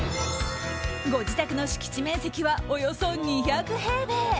ご自宅の敷地面積はおよそ２００平米。